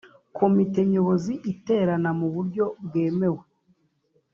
Komite Nyobozi iterana mu buryo bwemewe